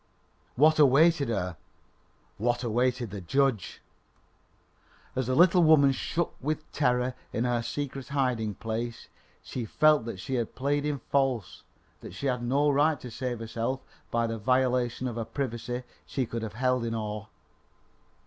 What awaited her? What awaited the judge? As the little woman shook with terror in her secret hiding place she felt that she had played him false; that she had no right to save herself by the violation of a privacy she should have held in awe.